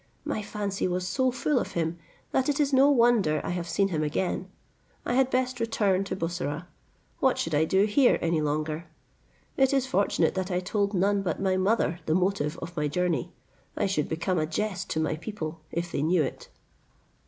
My fancy was so full of him, that it is no wonder I have seen him again. I had best return to Bussorah; what should I do here any longer? It is fortunate that I told none but my mother the motive of my journey: I should become a jest to my people, if they knew it."